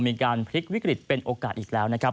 มีการพลิกวิกฤตเป็นโอกาสอีกแล้วนะครับ